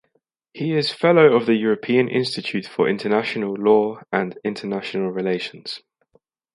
He is fellow of the European Institute for International Law and International Relations.